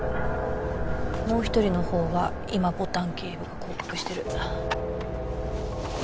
もう一人のほうは今牡丹警部が行確してる。